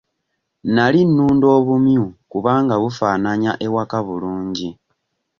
Nali nunda obumyu kubanga bufaananya ewaka bulungi.